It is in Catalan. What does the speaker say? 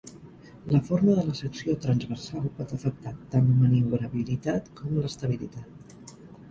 La forma de la secció transversal pot afectar tant la maniobrabilitat con l'estabilitat.